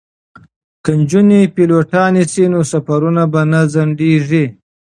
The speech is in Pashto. که نجونې پیلوټانې شي نو سفرونه به نه ځنډیږي.